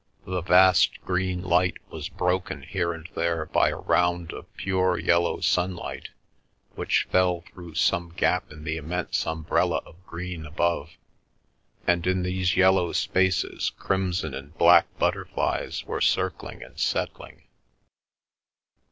The vast green light was broken here and there by a round of pure yellow sunlight which fell through some gap in the immense umbrella of green above, and in these yellow spaces crimson and black butterflies were circling and settling.